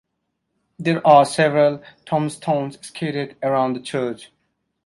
There are several tombstones scattered around the church.